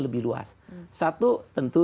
lebih luas satu tentu